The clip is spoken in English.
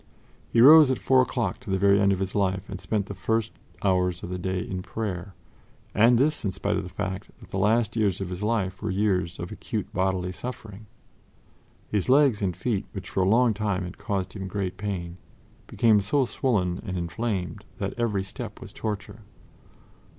He rose at four o'clock to the very end of his life and spent the first hours of the day in prayer, and this in spite of the fact that the last years of his life were years of acute bodily suffering. His legs and feet, which for a long time had caused him great pain, became so swollen and inflamed that every step was torture.